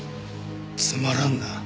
つまらんな。